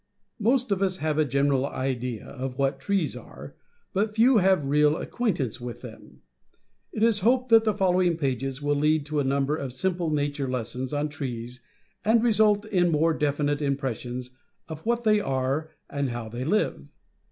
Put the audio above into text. Most of us have a general idea of what trees are, but few have real acquaintance with thenio It is hoped that the following pages will lead to a number of simple nature lessons on trees and result in more definite impressions of what they are and how they live.